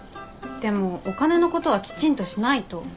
でもお金のことはきちんとしないと。